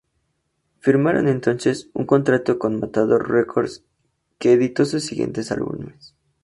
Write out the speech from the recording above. Firmaron entonces un contrato con Matador Records, que editó sus siguientes álbumes.